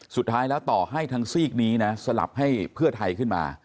สุดท้ายแล้วต่อให้ทั้งซีกนี้นะสลับให้เพื่อไทยขึ้นมา